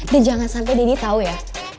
dan jangan sampai deddy tahu ya